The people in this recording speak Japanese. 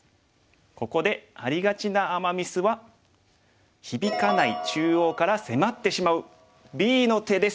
ここでありがちなアマ・ミスは響かない中央から迫ってしまうＢの手です。